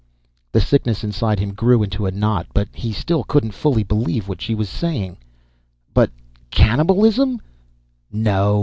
The sickness inside him grew into a knot, but he still couldn't fully believe what she was saying. "But cannibalism " "No."